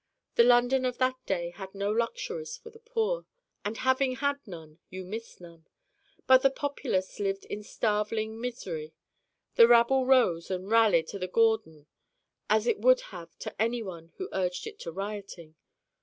The London of that day had no luxuries for the poor. And having had none you missed none. But the populace lived in starveling misery. The rabble rose and rallied to the Gordon as it would have to anyone who urged it to rioting.